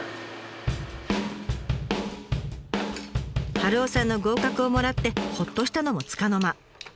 春雄さんの合格をもらってほっとしたのもつかの間。